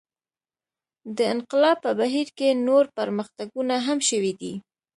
دې انقلاب په بهیر کې نور پرمختګونه هم شوي دي.